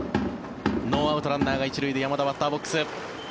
ノーアウト、ランナーが１塁で山田、バッターボックス。